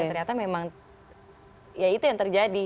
dan ternyata memang ya itu yang terjadi